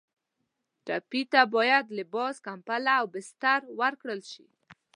ټپي ته باید لباس، کمپله او بستر ورکړل شي.